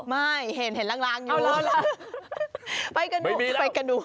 ไม่เห็นล้างอยู่เอาล่ะไปกันดูไปกันดู